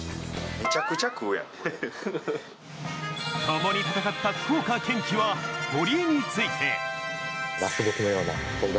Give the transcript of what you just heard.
ともに戦った福岡堅樹は堀江について。